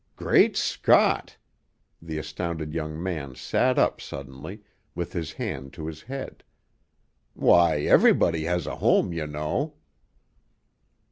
"Great Scott!" The astounded young man sat up suddenly, with his hand to his head. "Why, everybody has a home, you know!"